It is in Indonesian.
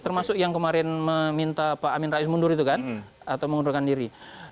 termasuk yang kemarin meminta pak amin rais mundur itu kan atau mengundurkan diri